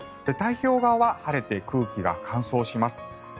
太平洋側は晴れて空気が乾燥します。